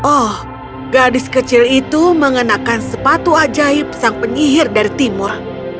oh gadis kecil itu mengenakan sepatu ajaib sang penyihir dari timur